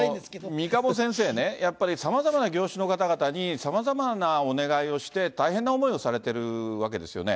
三鴨先生ね、やっぱり、さまざまな業種の方々に、さまざまなお願いをして、大変な思いをされてるわけですよね。